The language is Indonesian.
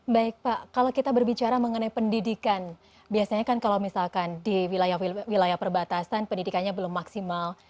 baik pak kalau kita berbicara mengenai pendidikan biasanya kan kalau misalkan di wilayah perbatasan pendidikannya belum maksimal